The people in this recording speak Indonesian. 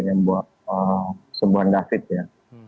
yang buat sembuhan david ya